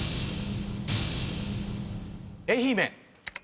愛媛。